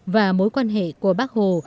và mối quan hệ của bác hồ